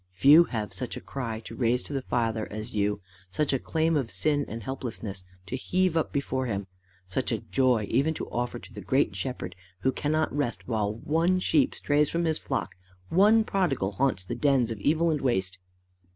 Few have such a cry to raise to the Father as you, such a claim of sin and helplessness to heave up before him, such a joy even to offer to the great Shepherd who cannot rest while one sheep strays from his flock, one prodigal haunts the dens of evil and waste.